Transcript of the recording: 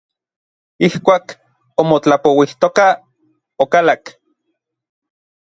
Ijkuak omotlapouijtokaj, okalak.